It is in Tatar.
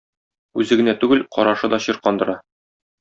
Үзе генә түгел карашы да чиркандыра.